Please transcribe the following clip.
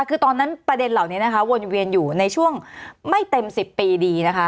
คือตอนนั้นประเด็นเหล่านี้นะคะวนเวียนอยู่ในช่วงไม่เต็ม๑๐ปีดีนะคะ